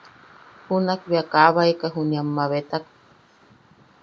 Junak bea kaabaeka juniʼi am mabetak.